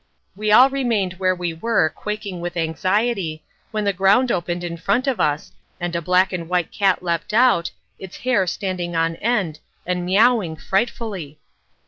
We all remained where we were quaking with anxiety, when the ground opened in front of us and a black and white cat leapt out, its hair standing on end, and miauing frightfully.